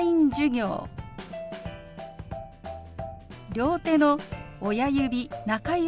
両手の親指中指